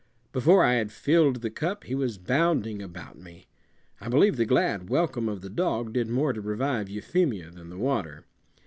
Before I had filled the cup he was bounding about me. I believe the glad welcome of the dog did more to revive Euphemia than the water.